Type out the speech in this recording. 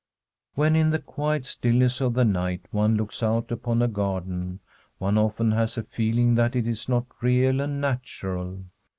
When in the, quiet stillness of the night one looks out upon a garden, one often has a feeling that it is not real and natural.